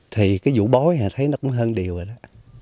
thì cái vũ bói thấy nó cũng hơn điều rồi đó